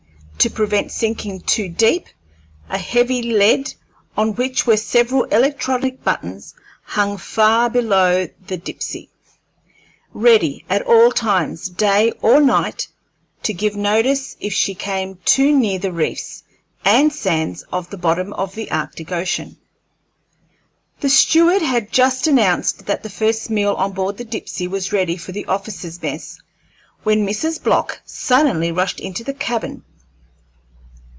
To prevent sinking too deep, a heavy lead, on which were several electric buttons, hung far below the Dipsey, ready at all times, day or night, to give notice if she came too near the reefs and sands of the bottom of the Arctic Ocean. The steward had just announced that the first meal on board the Dipsey was ready for the officers' mess, when Mrs. Block suddenly rushed into the cabin.